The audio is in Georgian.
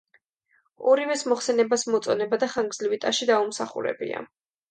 ორივეს მოხსენებას მოწონება და ხანგრძლივი ტაში დაუმსახურებია.